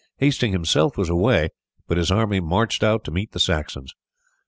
Hasting himself was away, but his army marched out to meet the Saxons.